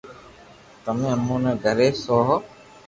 تمي اموني گھري سوھو